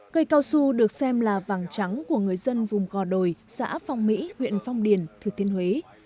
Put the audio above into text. cây cao su được xem là vàng trắng của người dân vùng gò đồi xã phong mỹ huyện phong điền thừa thiên huế